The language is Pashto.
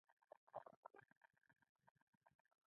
د طالبانو له وسله والو ځواکونو سره مبارزه بسنه نه کوي